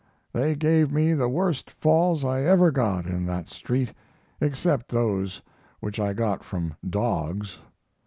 They gave me the worst falls I ever got in that street, except those which I got from dogs.